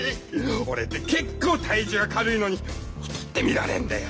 俺って結構体重は軽いのに太って見られんだよ。